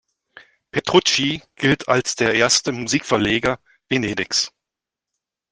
Petrucci gilt als der erste Musikverleger Venedigs.